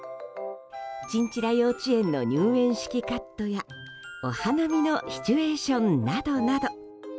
チンチラ幼稚園の入園式カットやお花見のシチュエーションなどなど。